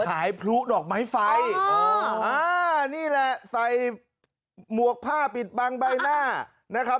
พลุดอกไม้ไฟนี่แหละใส่หมวกผ้าปิดบังใบหน้านะครับ